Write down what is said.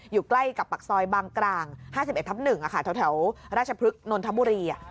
อยู่ใกล้กับปากซอยบางกลาง๕๑ทับ๑แถวราชพฤกษนนทบุรี